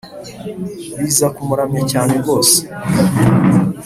biza kumuramya cyane rwose